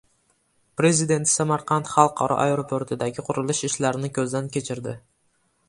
Prezident Samarqand xalqaro aeroportidagi qurilish ishlarini ko‘zdan kechirdi